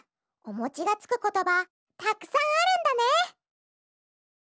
おもちがつくことばたくさんあるんだね。